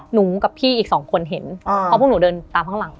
หนูกับพี่อีกสองคนเห็นเพราะพวกหนูเดินตามข้างหลัง